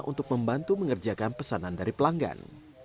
untuk membantu mengerjakan pesanan dari pelanggan